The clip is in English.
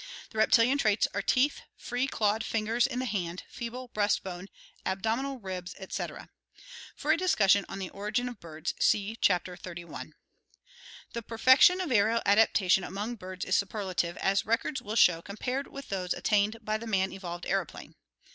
He reptilian traits are teeth, free clawed fingers in the hand, feeble breast bone, abdominal ribs, etc. For a discussion of the origin of birds, see Chapter XXXI. The perfection of aerial adaptation among birds is superlative, as records will show compared with those attained by the man evolved aeroplane.